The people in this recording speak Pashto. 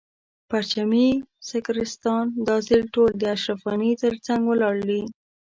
پرچمي سکتریستان دا ځل ټول د اشرف غني تر څنګ ولاړ دي.